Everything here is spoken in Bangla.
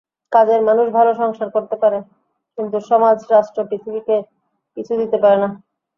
কাজের মানুষ ভালো সংসার করতে পারে, কিন্তু সমাজ-রাষ্ট্র-পৃথিবীকে কিছু দিতে পারে না।